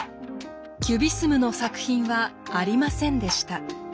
キュビスムの作品はありませんでした。